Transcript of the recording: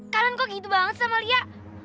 kalian kok gitu banget sama lia